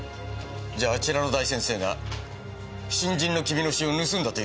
じゃああちらの大先生が新人の君の詩を盗んだというのかい？